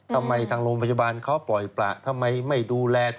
ทางโรงพยาบาลเขาปล่อยประทำไมไม่ดูแล